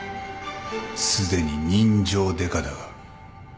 すでに人情デカだが。